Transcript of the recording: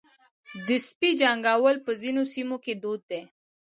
د سپي جنګول په ځینو سیمو کې دود دی.